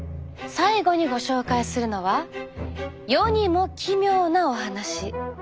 最後にご紹介するのは世にも奇妙なお話。